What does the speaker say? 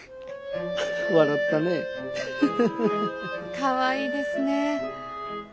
かわいいですねえ。